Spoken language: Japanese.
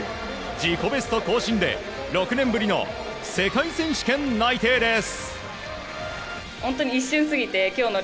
自己ベスト更新で６年ぶりの世界選手権内定です。